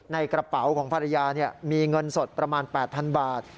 ในกระเป๋าของภรรยามีเงินสดประมาณ๘๐๐๐บาท